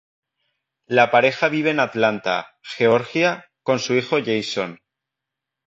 La pareja vive en Atlanta, Georgia, con su hijo Jason.